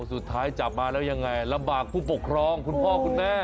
สุดท้ายจับมาแล้วยังไงลำบากผู้ปกครองคุณพ่อคุณแม่